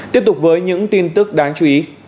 tiếp tục với những tin tức đáng chú ý